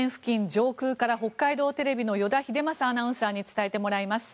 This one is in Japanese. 上空から北海道テレビの依田英将アナウンサーに伝えてもらいます。